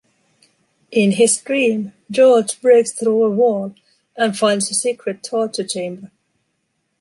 In his dream, George breaks through a wall and finds a secret torture chamber.